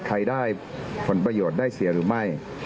ใครได้ผลประโยชน์ได้เสียหรือไม่